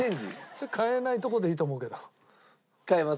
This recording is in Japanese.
それ変えないとこでいいと思うけど。